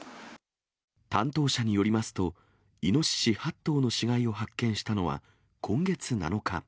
担当者によりますと、イノシシ８頭の死骸を発見したのは、今月７日。